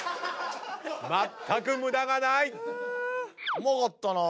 うまかったなぁ。